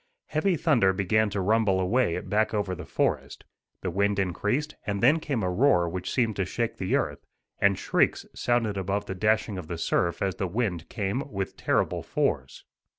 Heavy thunder began to rumble away back over the forest. The wind increased, and then came a roar which seemed to shake the earth, and shrieks sounded above the dashing of the surf as the wind came with terrible force.